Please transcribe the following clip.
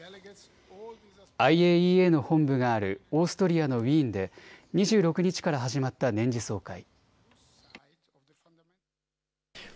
ＩＡＥＡの本部があるオーストリアのウィーンで２６日から始まった年次総会。